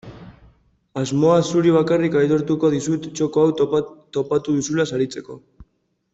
Asmoa zuri bakarrik aitortuko dizut txoko hau topatu duzula saritzeko.